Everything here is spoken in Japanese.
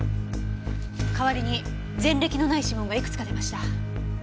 かわりに前歴のない指紋がいくつか出ました。